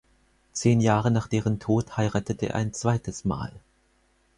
Zehn Jahre nach deren Tod heiratete er ein zweites Mal.